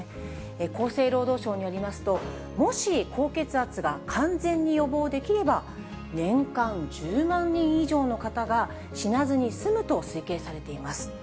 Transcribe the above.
厚生労働省によりますと、もし高血圧が完全に予防できれば、年間１０万人以上の方が死なずに済むと推計されています。